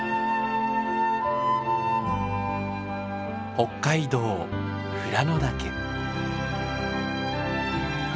北海道富良野岳。